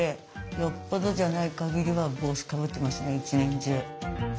よっぽどじゃないかぎりは帽子かぶってますね一年中。